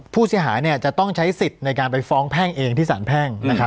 ผู้เสียหายจะต้องใช้สิทธิ์ในการไปฟ้องแพ่งเองที่สารแพ่ง